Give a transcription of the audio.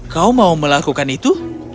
kau mau melakukan itu